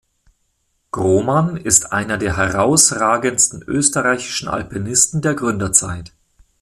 Grohmann ist einer der herausragendsten österreichischen Alpinisten der Gründerzeit.